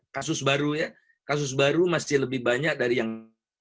kasus baru masih lebih banyak dari yang